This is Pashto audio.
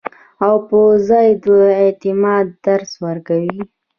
او پۀ ځان د اعتماد درس ورکوي -